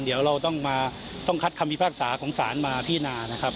เดี๋ยวเราต้องมาต้องคัดคำพิพากษาของศาลมาพินานะครับ